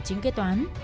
chính kế toán